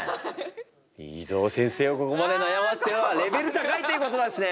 いいぞ先生をここまで悩ますというのはレベル高いということなんですね。